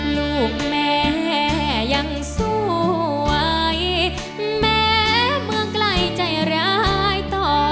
ลูกแม่ยังสวยแม่เมื่อกลายใจร้ายต่อ